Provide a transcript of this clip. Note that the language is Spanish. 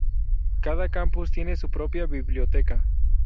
Cada campus tiene su propia biblioteca.